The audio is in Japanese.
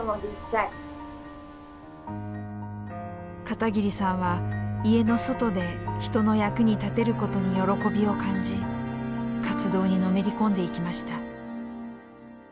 片桐さんは家の外で人の役に立てることに喜びを感じ活動にのめり込んでいきました。